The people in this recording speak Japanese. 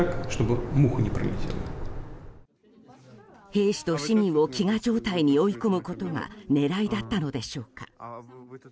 兵士と市民を飢餓状態に追い込むことが狙いだったのでしょうか。